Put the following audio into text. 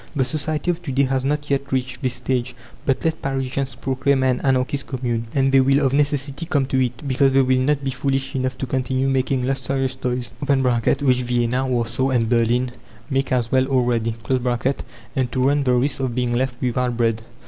The society of to day has not yet reached this stage. But let Parisians proclaim an Anarchist Commune, and they will of necessity come to it, because they will not be foolish enough to continue making luxurious toys (which Vienna, Warsaw, and Berlin make as well already), and to run the risk of being left without bread.